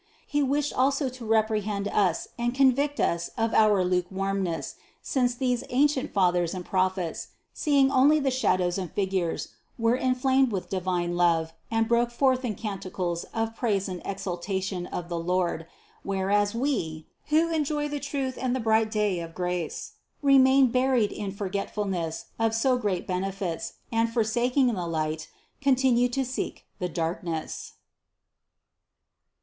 He wished also to reprehend us and convict us of our lukewarmness, since these ancient Fathers and Prophets, seeing only the shadows and figures, were inflamed with divine love and broke forth in canticles of praise and exaltation of the Lord, whereas we, who enjoy the truth and the bright day of grace, remain buried in fortgetfulness of so great bene fits, and, forsaking the light, continue to seek the dark ness.